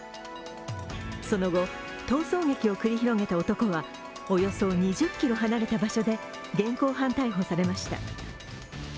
その後、逃走劇を繰り広げた男はおよそ２０ｋｍ離れた場所で現行犯逮捕されました。